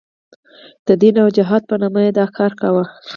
د دین او جهاد په نامه یې دا کار کاوه.